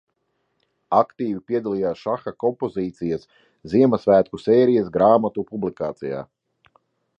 Aktīvi piedalījās šaha kompozīcijas ziemassvētku sērijas grāmatu publikācijā.